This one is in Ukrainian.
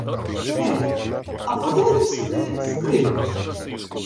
Гей, а подайте сюди скрипку!